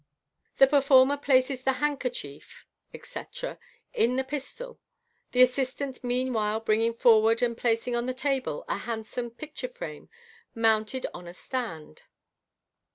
The performer places the handkerchief, etc., in the pistol, the assist ant meanwhile bring ing forward and plac ing on the table a handsome picture frame, mounted on a stand.